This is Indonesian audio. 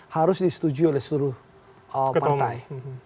harus disetujui oleh seluruh partai